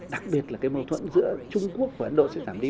đặc biệt là cái mâu thuẫn giữa trung quốc và ấn độ sẽ giảm đi